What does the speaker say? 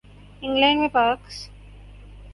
England میں پاکس